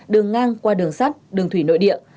đường ngang qua đường sắt đường thủy nội địa